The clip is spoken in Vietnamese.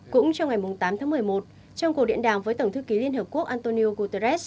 cũng trong ngày tám tháng một mươi một trong cuộc điện đàm với tổng thư ký liên hợp quốc antonio guterres